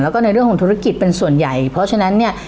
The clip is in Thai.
แล้วก็ในเรื่องของธุรกิจเป็นส่วนใหญ่เพราะฉะนั้นเนี่ย